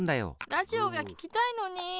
ラジオがききたいのに。